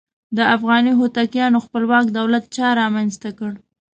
د افغاني هوتکیانو خپلواک دولت چا رامنځته کړ؟